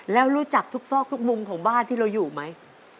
แล้วรู้จักทุกซอกทุกมุมของบ้านที่เราอยู่ไหม